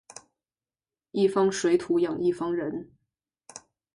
一方水土养一方人